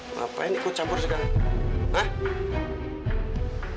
ngapain ikut campur sekarang